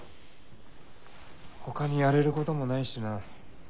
ほかにやれることもないしな。